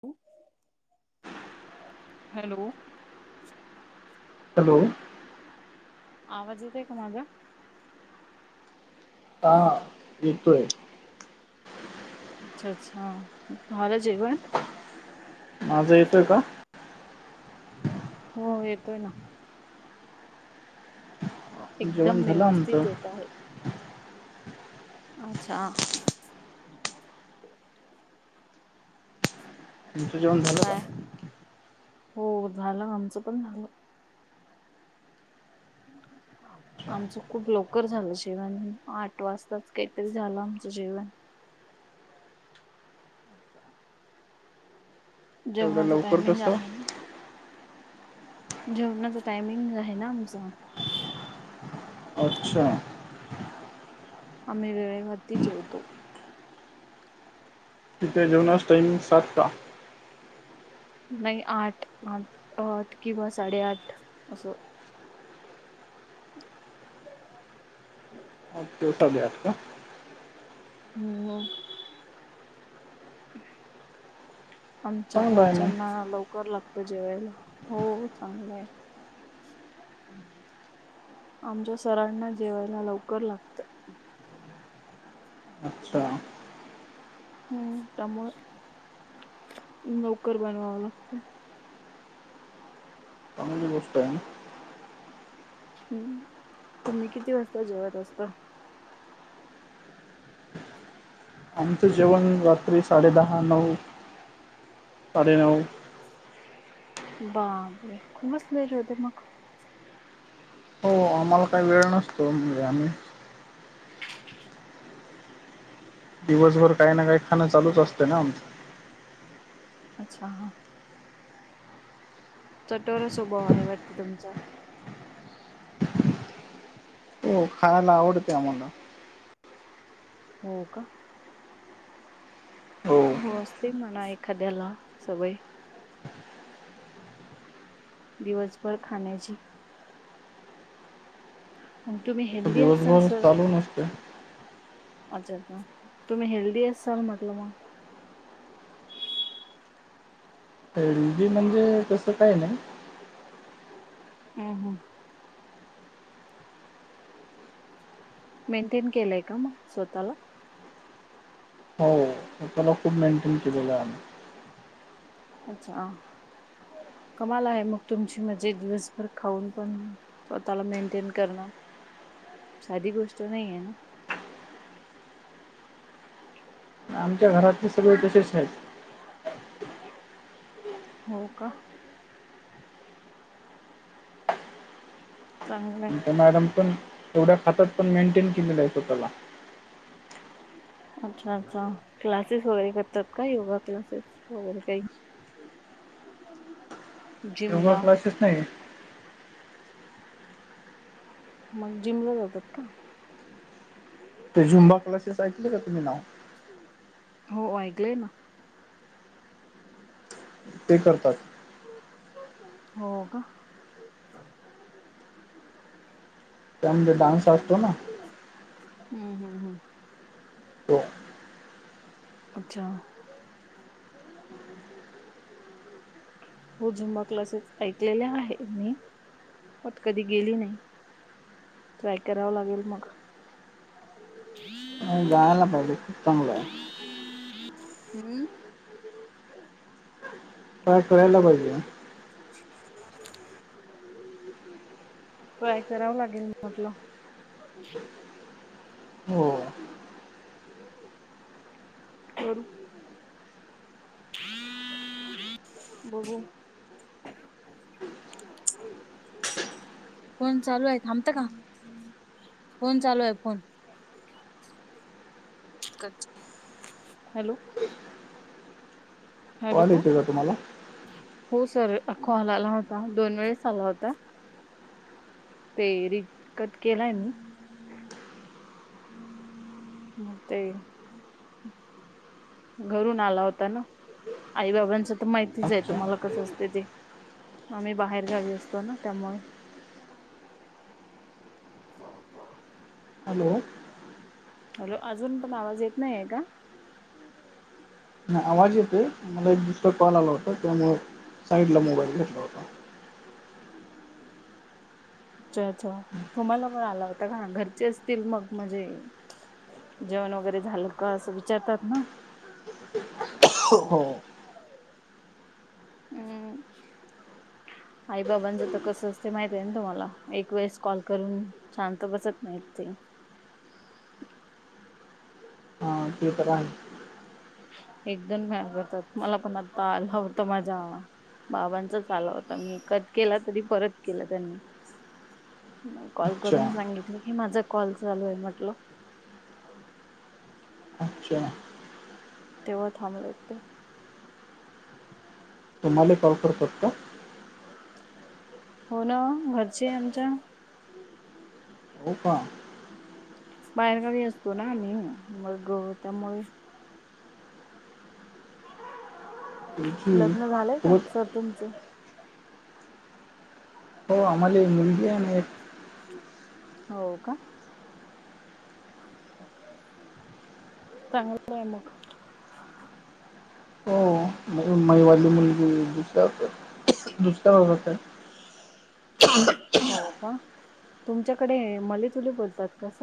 ह [unintelligible] hello [unintelligible] hello [unintelligible] आवाज येतोय का माझा? हाहा, येतोय. अच्छा, अच्छा, झालं जेवण? माझा येतोय का? हो, येतोय ना. जेवण एकदम झालं आमचं व्यवस्थित येत आहे. अच्छा,, तुमच जेवन झालं काय? का? हो, झालं, आमचं पण झालं. ह अच्छा आमचं खूप लवकर झालं जेवण,, आठ वाजताच काहीतरी झालं आमचं जेवण. एवढं जेवणाच लवकर टायमिंग कसं आहे. जेवणाच टायमिंग आहे ना आमच. अच्छा, आम्ही वेळेवरती जेवतो. किती हाय जेवणाच टाइमिंग सातचा? नाही आठ, आठ, आठ किंवा साडेआठ असं. आठ किंवा साडे आठ का? हो, मग आमच्या चांगलं आहे घरच्यांना मग लवकर लागत जेवायला,, हो चांगलं हाय. आमच्या सरांना जेवायला लवकर लागतं. अच्छा, हम्म,, त्यामुळ, लवकर बनवावं लागतंय. चांगली गोष्ट हाय म. हम्,, तुम्ही किती वाजता जेवत असता? आमचं जेवण, रात्री साडेदहा, नऊ साडेनऊ. बापरे! खूपच लेट होतय मग. हो, आम्हाला काही वेळ नसतो. म्हणजे आम्ही दिवसभर काही ना काही खाणं चालूच असतं ना आमच. अच्छा हा,, चटोरा स्वभाव आहे वाटत तुमचा. हो, खायला आवडतय आम्हाला. हो का? हो,, असते म्हणा एखाद्याला सवय. दिवसभर खाण्याची. मग तुम्ही तसं हेल्दी आसाल दिवसभर सर? चालू नसते अच्छा अच्छा, तुम्ही हेल्दी असाल म्हटलं मग. हेल्दी म्हणजे, तसं काय नाही. हम्, हम, मेंटेन केलंय का मग? स्वतःला. हो, स्वताला खूप मेंटेन केलेलं आहे, आम्ही. अच्छा,, कमाल आहे मग तुमची, मजे दिवसभर खाऊन पण स्वतःला मेंटेन करणं,, साधी गोष्ट नाही आहे ना. आमच्या घरातले सगळे तसेच आहेत. हो का चांगलं आहे आमच्या मॅडम पण एवढ्या खातात पण मेंटेन केलेल आहे स्वतःला अच्छा, अच्छा, क्लासेस वगैरे करतात का? योगा क्लासेस वगैरे काही. योगा जिमला क्लासेस नाहीय. मग जिमला जातात का? ते जुंबा क्लासेस ऐकले का तुम्ही नाव? हो ऐकलंय ना. ते करतात. हो का. त्या मध्ये डान्स असतो ना. हम्म हम् हम्. तो. अच्छा. हो झुंबा क्लासेस ऐकलेले आहे मी बट कधी गेली नाही. ट्राय करावा लागेल मग. [inaudible] नई जायला पाहिजे खूप चांगलं हाय. हम्म. काय करायला पाहिजे ना? ट्राय करावं लागेल म्हटलं. हो. करू. बघू. [inaudible] फोन चालू आय थांबत का फोन चालू आय phone. Cut hello. Hello call येतोय का तुम्हाला? हो सर अखोल आला होता दोन वेळेस आला होता. ते रिकत केलाय मी. मो ते. घरून आला होता ना आई बाबांच तर माहितीच आहे अच्छा. तुम्हाला कसं असत. तेथे आम्ही बाहेर गावी असतो ना त्यामुळे. हॅलो. हॅलो अजून पण आवाज येत नाहीय का? नाही आवाज येतोय मला एक दुसरा कॉल आला होता त्यामुळं साईडला मोबाईल घेतला होता. [inaudible] अच्छा अच्छा तुम्हाला पण आला होता का घरचे असतील मग म्हणजे. जेवण वगैरे झालं का असं विचारतात ना. हो. हम. आई बाबांच तर कस असते माहित आहे ना तुम्हाला एक वेळेस कॉल करून शांत बसत नाही ते. ह ते तर हाय. एकदम घाबरतात मला पण आता आला होता माझा बाबांचाच आला होता मी कट केला तरी परत केला त्यांनी. म कॉल अच्छा, करून सांगितलं की माझा कॉल चालू आहे म्हटलं. अच्छा. तेव्हा थांबले ते. तुम्हाला ही कॉल करतात का? हो ना घरचे आमच्या. हो का. बाहेरगावी असतो ना आम्ही मग त्यामुळे तुमची लग्न झालंय का सोबत सर तुमचं? हो आम्हाले मुलगी आहे म एक. हो का. चांगलाय मग. हो. मैवाली मुलगी नुसत नुसतं ओरडत्या. हो का तुमच्याकडे मले तुले बोलतात का अस.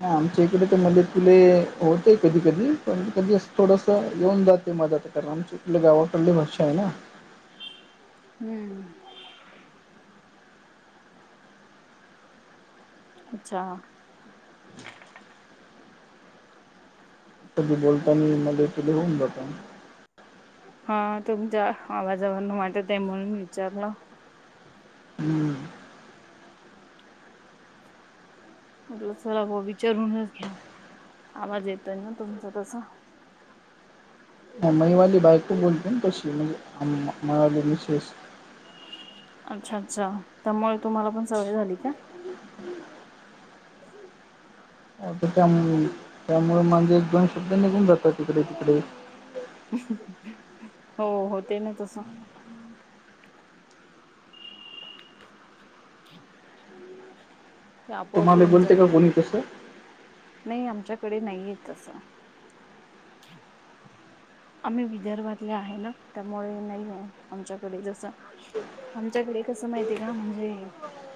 ह आमच्या इकडे ते मध्येेत फुले होते कधी कधी पण कधी थोडस येऊन जाते मदात तर आम चकल्या गावाकडली भाष आहे ना हम्म. अच्छा. क बोलता आणि मध्ये त होऊन जात. हा तुमच्या आवाजावरून वाटत आहे म्हणून विचारलं? हम्म. म्हटलं चला विचारूनच घ्याऊ आवाज येतय ना तुमचं तस. ह महिवाली बायक खू बोलते ना तशी म्हणजे मवा मशेष. अच्छा अच्छा त्यामुळे तुम्हाला पण सवय झाली का? हो त्यामु त्यामुळे म्हणजे एक जण सुद्धा निघून जातात तिकडे तिकडे. हो हो ते ना तसं. [unintelligible] ते आपोआप तुम्हाला येऊन बोलते काय जातात. कोण यित सर. नाही आमच्याकडे नाहीयेत तसं. आम्ही विदर्भातले आहे ना त्यामुळे नाही आहे आमच्याकडे जस. आमच्याकडे कसं माहिती आहे का म्हणजे?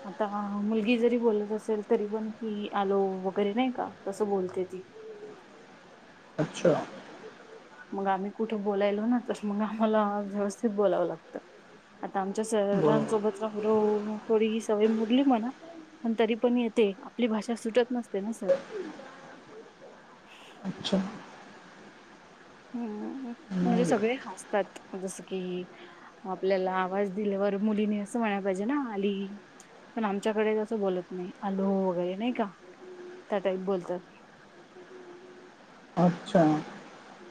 आता मुलगी जरी बोलत असेल तरी पण की आलो वगैरे नाही का तसं बोलते ती? अच्छा. मग आम्ही कुठे बोलायलो ना तरस मग आम्हाला व्यवस्थित बोलावं लागतं. आता आमच्या बरोबर सरांसोबत रा थोडी सवय मोडली म्हणा. पण तरी पण येते आपली भाषा सुटत नसते ना सर. अच्छा. हम्म म्हणजे नाही सगळे हसतात जसं की. आपल्याला आवाज दिल्यावर मुलीनी असं म्हणायला पाहिजे ना आली. पण आमच्याकडे तसं बोलत नाही आलोह वगैरे नाही का त्या टई बोलतात. अच्छा.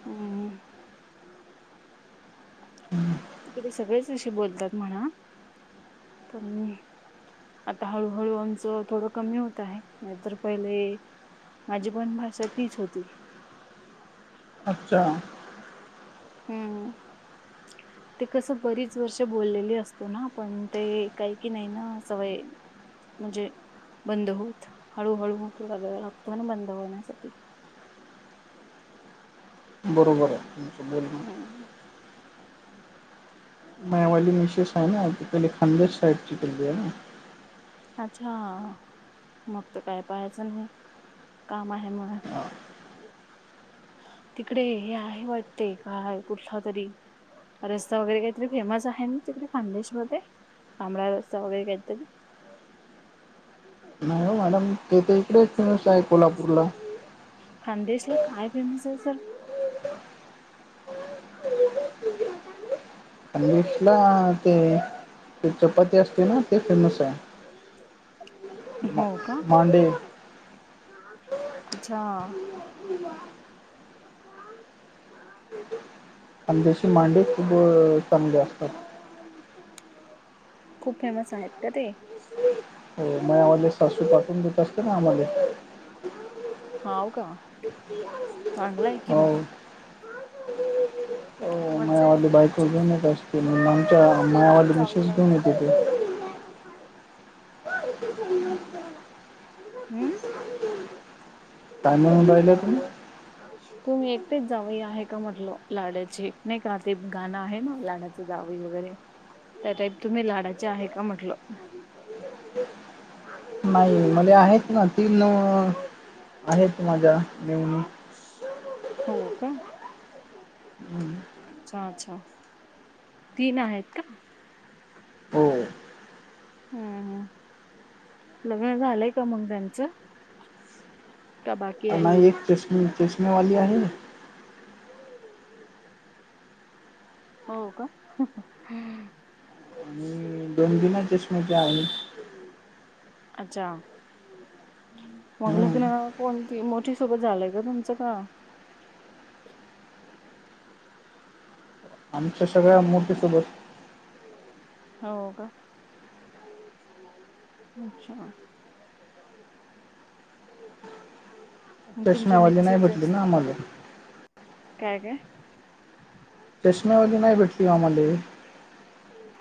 हम्. हं. त ते सगळेच अे बोलतात म्हणा पण? आता हळूहळू आमचं थोडं कमी होत आहे नाहीतर पहिले. माझी पण भाषा तीच होती. अच्छा. हम्म. ते कसं बरीच वर्ष बोललेली असतो ना पण ते काही कि नाही ना सवय. म्हणजे बंद होत हळूहळू थोडा वेळ लागतो ना बंद होण्यासाठी. बरोबर आहे बोल. हम्म मवाली निशेस आहे ना पले खदर साडचीिकललीया ना. अच्छा मग तर काय पाहायचं नाही काम आहे. तिकडे हे आहे वाटते काय कुठला तरी? रस्ता वगैरे काहीतरी फेमस आहे ना तिकडे खान्देश ममध्ये तांमबळा रस्ता वगैरे काहीतरी. नाही मॅडम तेथ इकडेच फेमस आहे कोल्हापूरला. खानदेश ला काय फेमस आहे सर. हो. सश ला ते चपाती असते ना ते फेमस आहे. हो का मांडे. अच्छा. आणि त्याची मांडी खूप चांगली असतात खूप फेमस आहेत का ते. हो मग आम्हाले सासू पाठवून देत असते ना आम्हाला. हाव का चांगलं आहे की मग. हो मज्जा आहे मयावाली मग बायक तुमची तर घेन येत असते आमच्या ती एकटीच मायावाली जावई मिसेस आहे घेऊन का येतेथे हम्म. तमडहिला तुमही? तुम्ही एकटेच जाव आहे का म्हटलं लाडाची नाही का ते गाणं आहे ना लाडाची दावी वगैरे त्या टाईप तुम्ही लाडाचे आहे का म्हटलं. नाही मध्ये आहेत ना तीन आहेत माझ्या नेऊन हो का? हं. अच्छा अच्छा तीन आहेत का? हो. हम्म हम् लग्न झालंय का मग त्यांचं का बाकी अ आहे नाही एक चशमे चशमे वी आहे. हो का हम्. आणि दोन दिन चषमती आ. अच्छा. मग ल की हम्म. ना कोणती मोठी सोबत झालंय का तुमचं का? आमच्या सगळ्या मोठेसोबत हो का? अच्छा. मग तुमच्या स्टशनावाली नाही मेसेज भेटली ना आम्हाला काय काय? चष्म्यामध्येग नाही भेटली आम्हाला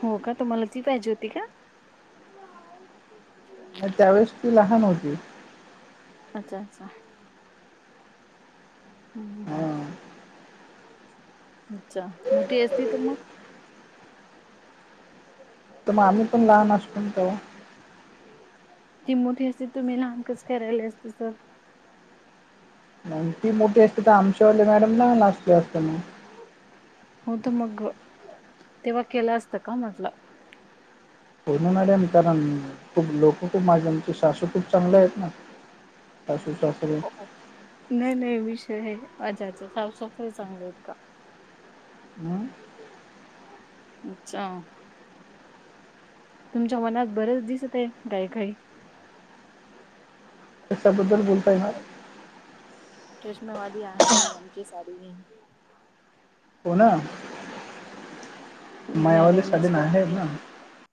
हो का तुम्हाला ती पाहिजे होती का? म त्यावेळेस ती लहान होती. अच्छा अच्छा. हम् ह. हां अच्छा मोठी असती तर मग तर मग आम्ही पण लहान असतो ते ती मोठी असते तुम्ही लहान कच करायला असते तर ती मोठी असते तर आमच्यावरली मॅडम ना नाचते असत ना. होत मग तेव्हा केलं असतं का म्हटलं. बून आ आहेम कारण खूप लोक खू माझ्या आमचे सासू खूप चांगले आहेत ना. [unintelligible] नाही नाही विषय आहे अज्याच साफसफाई चांगली आहेत का? हमम. अच्छा तुमच्या मनात बरच दिसत आहे गायकााई त्याच्याबद्दल बोलता येणार. चष्मेवादी आहे आमची साडी हो ना. विना मायावाली लग्नाची सालीन आहे बाकी ना.